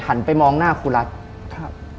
หันไปมองหน้าครูลัทธ์